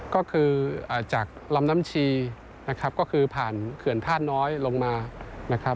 ก็คือจากลำน้ำชีก็คือผ่านเขื่อนธาตุน้อยลงมา